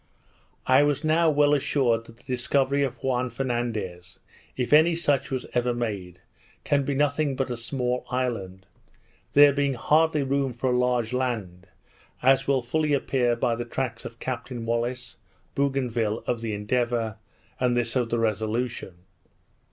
I was now well assured that the discovery of Juan Fernandez, if any such was ever made, can be nothing but a small island; there being hardly room for a large land, as will fully appear by the tracks of Captain Wallis, Bougainville, of the Endeavour, and this of the Resolution.